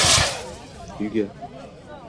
Uyga